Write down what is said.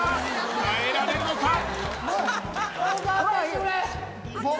耐えられるのかほら！